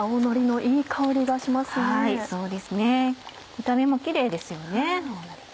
見た目もキレイですよね青のりが。